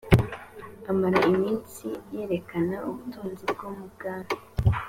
amara iminsi yerekana ubutunzi bwo mu bwami